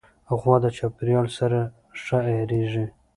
غوا د چاپېریال سره ښه عیارېږي.